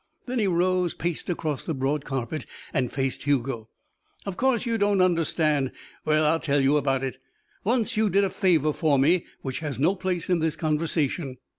Then he rose, paced across the broad carpet, and faced Hugo. "Of course you don't understand. Well, I'll tell you about it. Once you did a favour for me which has no place in this conversation."